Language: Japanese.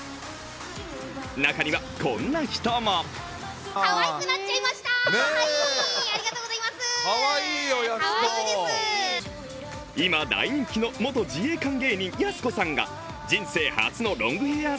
中には、こんな人も今、大人気の元自衛隊芸人・やす子さんが人生初のロングヘアー